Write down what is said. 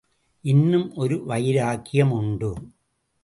இன்னும் ஒரு வைராக்கியம் உண்டு.